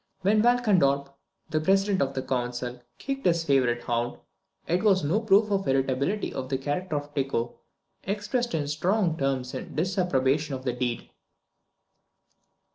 When Walchendorp, the President of the Council, kicked his favourite hound, it was no proof of irritability of character that Tycho expressed in strong terms his disapprobation of the deed.